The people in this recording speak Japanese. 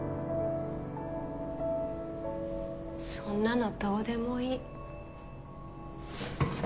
そんなのどうでもいい。